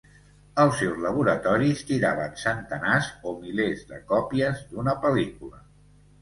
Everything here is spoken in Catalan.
Els seus laboratoris tiraven centenars o milers de còpies d'una pel·lícula.